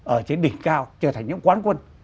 ở trên đỉnh cao trở thành những quán quân